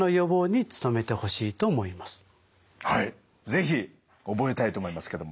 是非覚えたいと思いますけども。